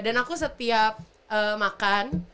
dan aku setiap makan